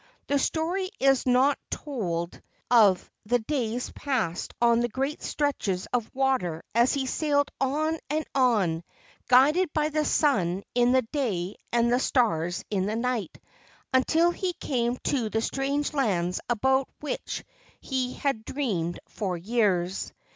The story is not told 68 LEGENDS OF GHOSTS of the days passed on the great stretches of water as he sailed on and on, guided by the sun in the day and the stars in the night, until he came to the strange lands about which he had dreamed for years.